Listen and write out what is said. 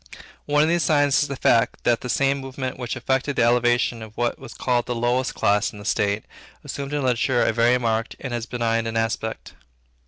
One of these signs is the fact, that the same movement which effected the elevation of what was called the lowest class in the state, assumed in literature a very marked and as benign an aspect.